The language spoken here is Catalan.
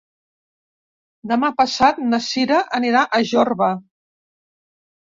Demà passat na Cira anirà a Jorba.